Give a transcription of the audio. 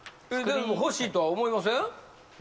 でも欲しいとは思いません？